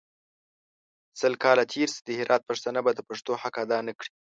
سل کاله تېر سي د هرات پښتانه به د پښتو حق اداء نکړي.